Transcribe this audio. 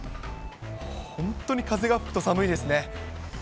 本当に風が吹くと寒いですね。